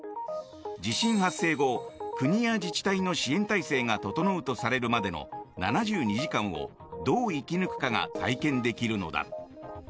地震発生後、国や自治体の支援体制が整うまでの７２時間をどう生き抜くかが体験できるのだ。